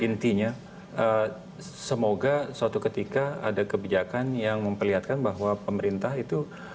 intinya semoga suatu ketika ada kebijakan yang memperlihatkan bahwa pemerintah itu